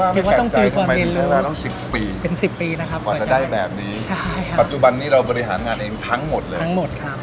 กว่าจะได้แบบนี้ปัจจุบันนี้เราบริหารงานเองทั้งหมดเลยครับทั้งหมดครับ